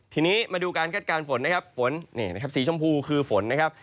ทีนี้มาดูการแก้ดการฝนนะครับฝนสีชมพูคือฝนนะครับ